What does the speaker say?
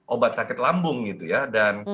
obat sakit lambung gitu ya dan